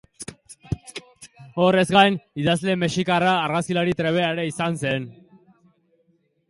Horrez gain, idazle mexikarra argazkilari trebea ere izan zen.